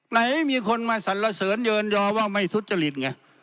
ไหนมีคนมาสรรเสริญเยินยอว่าไม่ทุจริตไง